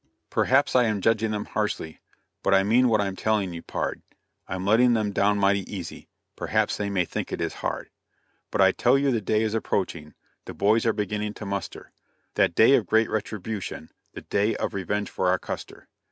Perhaps I am judging them harshly, But I mean what I'm telling ye, pard; I'm letting them down mighty easy, Perhaps they may think it is hard. But I tell you the day is approaching The boys are beginning to muster That day of the great retribution, The day of revenge for our Custer.